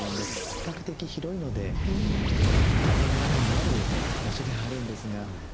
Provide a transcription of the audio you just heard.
比較的広いので都会の中にある場所ではあるんですが。